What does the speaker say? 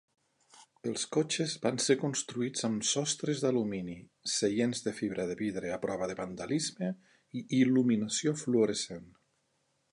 Els cotxes van ser construïts amb sostres d'alumini, seients de fibra de vidre a prova de vandalisme i il·luminació fluorescent.